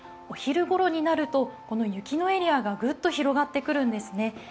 お昼ごろになると、この雪のエリアがぐっと広がってくるんですね。